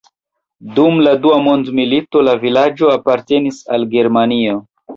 Dum la Dua Mondmilito la vilaĝo apartenis al Germanio.